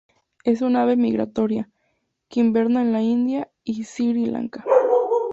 Es un ave migratoria, que inverna en la India y Sri Lanka.